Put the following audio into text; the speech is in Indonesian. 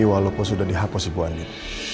walaupun sudah dihapus ibu ani